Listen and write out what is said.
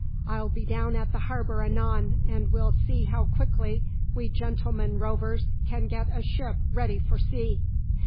I'll be down at the harbour anon, and we'll see how quickly we gentlemen rovers can get a ship ready for sea."